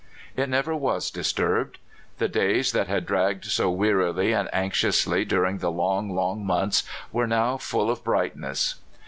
It never was disturbed. The days that had dragged so wearily and anxiously during the long, long months were now full of brightness.